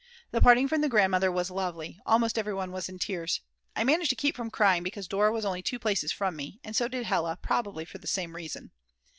The parting from the grandmother was lovely; almost everyone was in tears. I managed to keep from crying because Dora was only two places from me, and so did Hella, probably for the same reason.